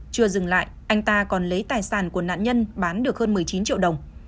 chưa dừng lại anh ta còn lấy tài sản của nạn nhân bán được hơn một mươi chín triệu đồng